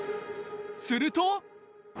すると。